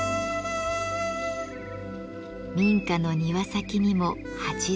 民家の庭先にも蜂洞。